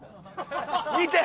見て！